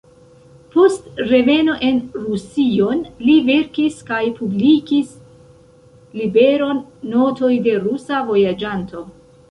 Post reveno en Rusion li verkis kaj publikis libron "“Notoj de rusa vojaĝanto”".